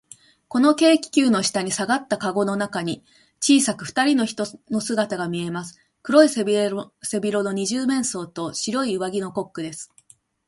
その軽気球の下にさがったかごの中に、小さくふたりの人の姿がみえます。黒い背広の二十面相と、白い上着のコックです。